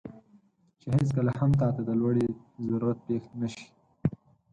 چې هیڅکله هم تاته د لوړې ضرورت پېښ نه شي،